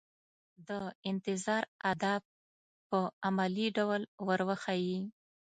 د انتظار آداب په عملي ډول ور وښيي.